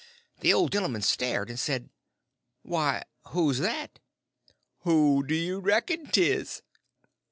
The old gentleman stared, and says: "Why, who's that?" "Who do you reckon 't is?"